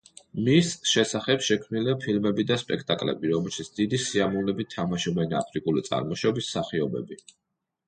მის შესახებ შექმნილია ფილმები და სპექტაკლები, რომელშიც დიდი სიამოვნებით თამაშობენ აფრიკული წარმოშობის მსახიობები.